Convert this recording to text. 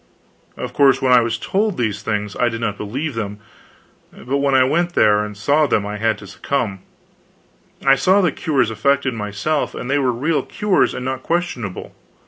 Of course, when I was told these things I did not believe them; but when I went there and saw them I had to succumb. I saw the cures effected myself; and they were real cures and not questionable.